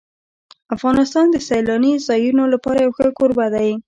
افغانستان د سیلاني ځایونو لپاره یو ښه کوربه دی.